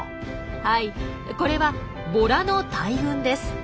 はいこれはボラの大群です。